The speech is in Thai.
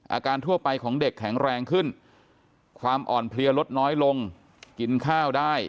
ทั่วไปของเด็กแข็งแรงขึ้นความอ่อนเพลียลดน้อยลงกินข้าวได้